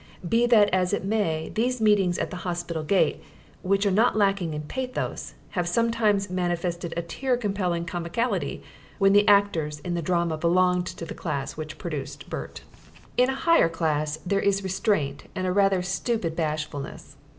Be that as it may, these meetings at the hospital gate, which are not lacking in pathos, have sometimes manifested a tear compelling comicality when the actors in the drama belonged to the class which produced Bert. In a higher class there is restraint and a rather stupid bashfulness.